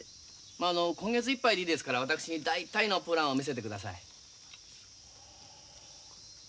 まああの今月いっぱいでいいですから私に大体のプランを見せて下さい。